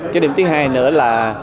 cái điểm thứ hai nữa là